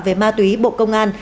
về ma túy bộ công an